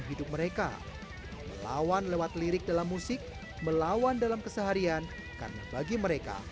hidup mereka melawan lewat lirik dalam musik melawan dalam keseharian karena bagi mereka